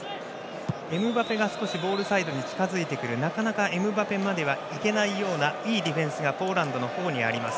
エムバペがボールサイドに近づいてくるしかしなかなかエムバペまでは行けないようないいディフェンスがポーランドの方にあります。